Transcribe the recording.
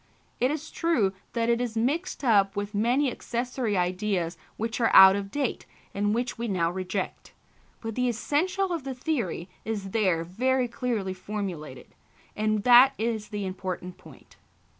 It is true that it is mixed up with many accessory ideas which are out of date and which we now reject; but the essential of the theory is there very clearly formulated, and that is the important point.